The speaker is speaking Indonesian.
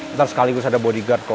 ntar sekaligus ada bodyguard kok